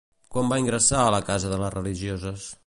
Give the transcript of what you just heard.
Quan va ingressar a la casa de les religioses?